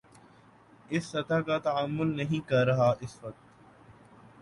اس سطح کا تعامل نہیں کر رہا اس وقت